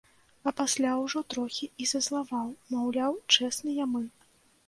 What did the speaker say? А пасля ўжо трохі і зазлаваў, маўляў, чэсныя мы.